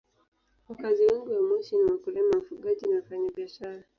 Wakazi wengi wa Moshi ni wakulima, wafugaji na wafanyabiashara.